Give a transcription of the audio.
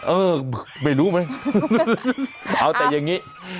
เออไม่รู้ไหมเอาแต่อย่างนี้